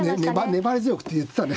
粘り強くって言ってたね。